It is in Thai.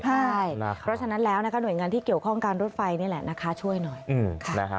เพราะฉะนั้นแล้วนะคะหน่วยงานที่เกี่ยวข้องการรถไฟนี่แหละนะคะช่วยหน่อย